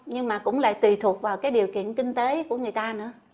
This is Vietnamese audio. nhưng mà cũng lại tùy thuộc vào cái điều kiện kinh tế của người ta nữa